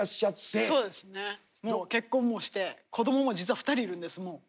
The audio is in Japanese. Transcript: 結婚もして子供も実は２人いるんですもう。